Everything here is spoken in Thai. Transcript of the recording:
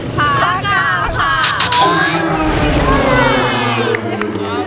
ภาคกามค่ะ